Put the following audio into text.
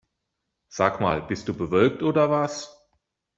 Sag mal, bist du bewölkt oder was?